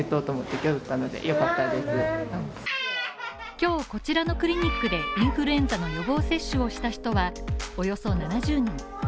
今日こちらのクリニックでインフルエンザの予防接種をした人がおよそ７０人。